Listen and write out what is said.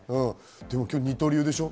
今日、二刀流でしょ？